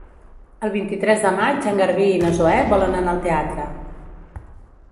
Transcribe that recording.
El vint-i-tres de maig en Garbí i na Zoè volen anar al teatre.